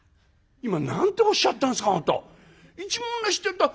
「今何ておっしゃったんですかあんた。